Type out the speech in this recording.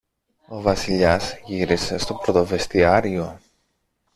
Ο Βασιλιάς γύρισε στον πρωτοβεστιάριο.